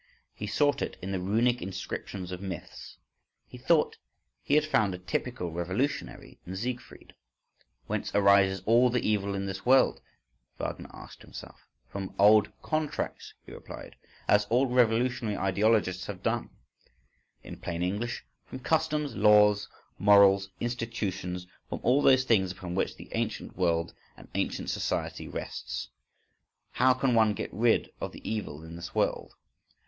He sought it in the runic inscriptions of myths, he thought he had found a typical revolutionary in Siegfried.—"Whence arises all the evil in this world?" Wagner asked himself. From "old contracts": he replied, as all revolutionary ideologists have done. In plain English: from customs, laws, morals, institutions, from all those things upon which the ancient world and ancient society rests. "How can one get rid of the evil in this world?